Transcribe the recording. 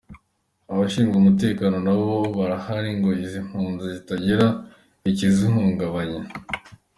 Abashinzwe umutekano nabo barahari ngo izi mpunzi zitagira ikizihungabanya.